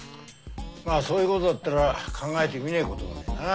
まあそういうことだったら考えてみねえこともねえな。